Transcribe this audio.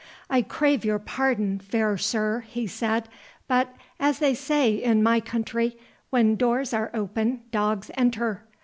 "I crave your pardon, fair sir," he said; "but, as they say in my country, when doors are open dogs enter.